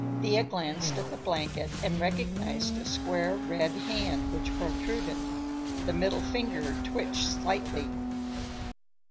Thea glanced at the blanket and recognized a square red hand which protruded. The middle finger twitched slightly.